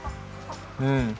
うん。